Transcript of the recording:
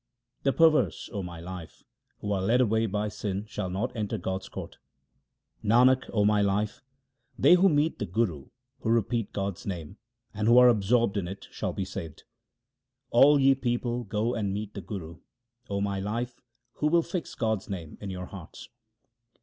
The perverse, O my life, who are led away by sin shall not enter God's court. Nanak, O my life, they who meet the Guru, who repeat God's name, and who are absorbed in it shall be saved. All ye people, go and meet the Guru, O my life, who will fix God's name in your hearts.